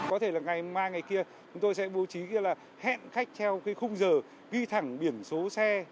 có thể là ngày mai ngày kia chúng tôi sẽ bố trí là hẹn khách theo cái khung giờ ghi thẳng biển số xe